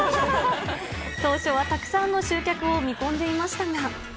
当初はたくさんの集客を見込んでいましたが。